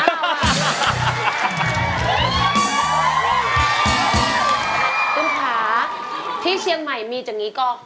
ตุ๋นขาที่เชียงใหม่มีจังงี้ก็